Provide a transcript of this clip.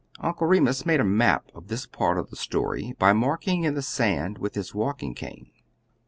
Uncle Remus made a map of this part of the story by marking in the sand with his walking cane.